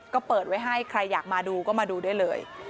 ก็เปิดไว้ให้ใครอยากมาดูก็มาดูได้เลย